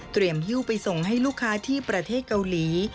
หิ้วไปส่งให้ลูกค้าที่ประเทศเกาหลี